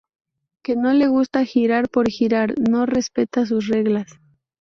Que no le gusta girar por girar no respeta sus reglas.